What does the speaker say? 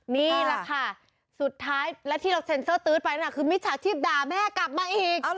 นี่แหละค่ะสุดท้าย